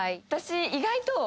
私意外と。